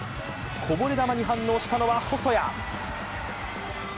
こぼれ球に反応したのは細谷。